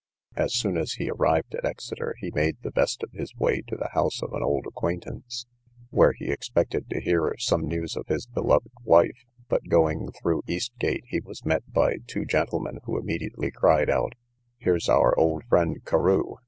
As soon as he arrived at Exeter, he made the best of his way to the house of an old acquaintance, where he expected to hear some news of his beloved wife; but going through East gate, he was met by two gentlemen, who immediately cried out, Here's our old friend Carew!